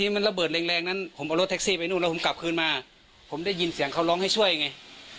ผมเอาตัวโร่แท็กซี่ไปหนูแล้วผมกลับคืนมาผมได้ยินเสียงเค้าร้องให้ช่วยไง